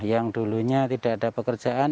yang dulunya tidak ada pekerjaan